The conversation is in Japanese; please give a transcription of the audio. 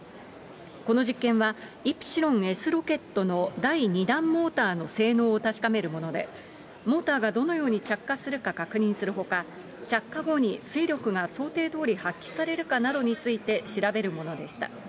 この実験は、イプシロンＳロケットの第２段モーターの性能を確かめるもので、モーターがどのように着火するか確認するほか、着火後に推力が想定どおり発揮されるかなどについて調べるものでした。